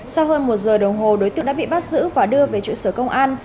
sau hơn một giờ đồng hồ đối tượng đã bị bắt giữ và đưa về trụ sở công an